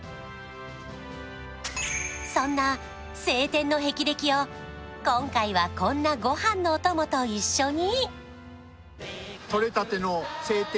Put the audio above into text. そんな青天の霹靂を今回はこんなご飯のお供と一緒に！